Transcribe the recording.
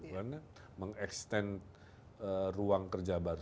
karena mengekstensi ruang kerja baru